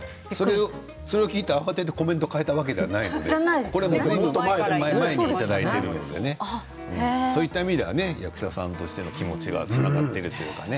それを聞いて、慌ててコメントを変えたわけではないので前にいただいているものなのでそういった意味では役者さんとしての気持ちがつながっているというかね